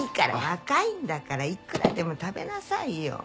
若いんだからいくらでも食べなさいよ！